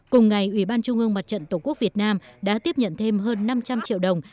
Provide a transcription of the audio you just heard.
cùng ngày ủy ban trung ương mặt trận tổ quốc việt nam đã tiếp nhận thêm hơn năm trăm linh triệu đồng